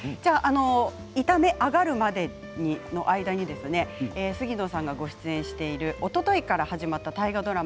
炒め上がるまでの間に杉野さん、ご出演しているおとといから始まった大河ドラマ